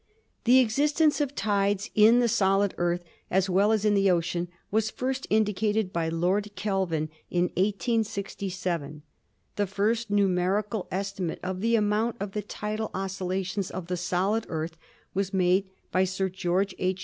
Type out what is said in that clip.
The existence of tides in the solid Earth, as well as in the oceans, was first indicated by Lord Kelvin in 1867. The first numerical estimate of the amount of the tidal oscillations of the solid Earth was made by Sir George H.